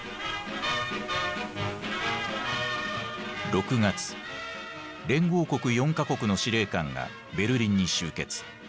６月連合国４か国の司令官がベルリンに集結。